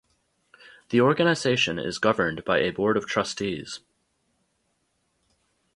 The organisation is governed by a board of trustees.